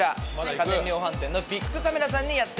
家電量販店のビックカメラさんにやって参りました！